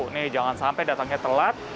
nih jangan sampai datangnya telat